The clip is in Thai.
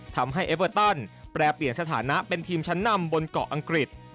ทำให้เอเวอร์ตันแปรเปลี่ยนสถานะเป็นทีมชั้นนำบนเกาะอังกฤษ